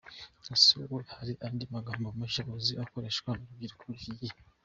Ese wowe hari andi magambo mashya uzi akoreshwa n’urubyiruko rw’iki gihe ?.